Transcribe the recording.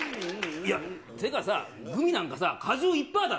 いや、っていうかさ、グミなんかさ、果汁１パーだろ？